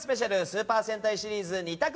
スーパー戦隊シリーズ２択